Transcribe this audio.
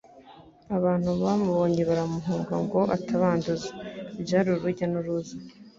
Abantu bamubonye baramuhunga ngo atabanduza. Byari urujya n'uruza.